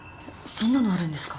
そんなのあるんですか？